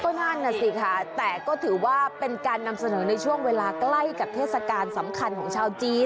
ก็นั่นน่ะสิค่ะแต่ก็ถือว่าเป็นการนำเสนอในช่วงเวลาใกล้กับเทศกาลสำคัญของชาวจีน